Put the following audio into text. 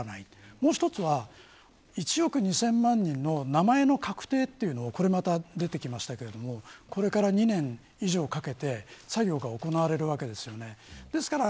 もう一つは１億２０００万人の名前の確定というのをこれから２年以上かけて作業が行われるわけですよね。